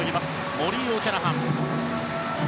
モリー・オキャラハン。